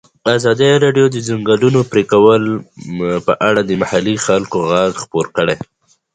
ازادي راډیو د د ځنګلونو پرېکول په اړه د محلي خلکو غږ خپور کړی.